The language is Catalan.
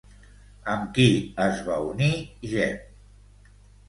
Amb qui es va unir Geb?